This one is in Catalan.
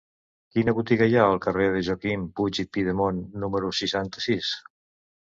Quina botiga hi ha al carrer de Joaquim Puig i Pidemunt número seixanta-sis?